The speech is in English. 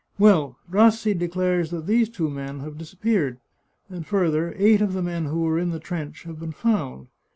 Well, Rassi declares that these two men have disappeared, and further, eight of the men who were in the trench have been found.